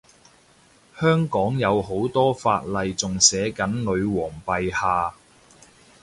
香港好多法例仲寫緊女皇陛下